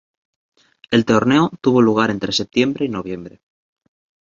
El torneo tuvo lugar entre septiembre y noviembre.